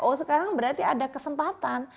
oh sekarang berarti ada kesempatan